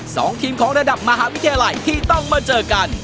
สองทีมของระดับมหาวิทยาลัยที่ต้องมาเจอกัน